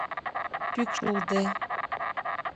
Пӱкш улде.